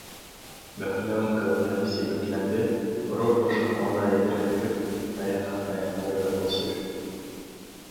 Бәһлеүән кәүҙәһе сибекләнде, ғорур башын алға эйҙерә биреп, таяҡҡа таяндырҙы был сир.